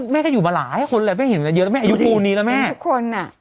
แม่ก็อยู่มาหลายคนแหละแม่เห็นมันเยอะแม่อายุปูนนี้แหละแม่